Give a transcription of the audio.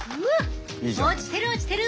落ちてる落ちてる。